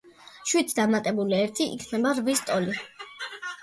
შვიდს დამატებული ერთი იქნება რვის ტოლი.